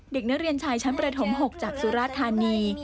เด็กนักเรียนชายชั้นประถม๖จากสุราธานี